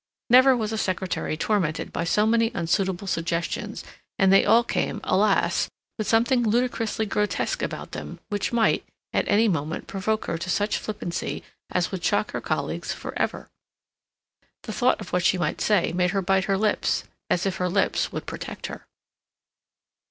Never was a secretary tormented by so many unsuitable suggestions, and they all came, alas! with something ludicrously grotesque about them, which might, at any moment, provoke her to such flippancy as would shock her colleagues for ever. The thought of what she might say made her bite her lips, as if her lips would protect her.